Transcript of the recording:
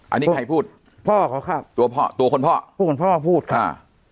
อันนี้ใครพูดพ่อเหรอครับตัวพ่อตัวคนพ่อตัวคนพ่อพูดครับอ่า